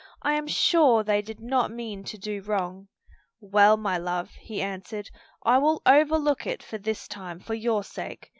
"I am sure they did not mean to do wrong." "Well, my love," he answered, "I will overlook it for this time for your sake.